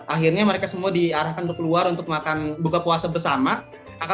akhirnya mereka semua diarahkan untuk keluar untuk makan buka puasa bersama